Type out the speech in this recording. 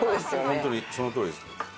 本当にそのとおりです。えっ！？